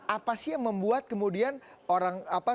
apa sih yang membuat kemudian orang apa